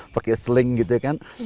pakai sling gitu kan